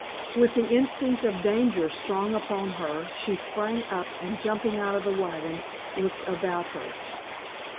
With the instinct of danger strong upon her she sprang up, and jumping out of the wagon looked about her.